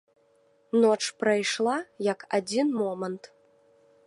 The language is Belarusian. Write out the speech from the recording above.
Ноч прайшла, як адзін момант.